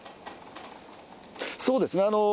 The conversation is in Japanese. そうですね。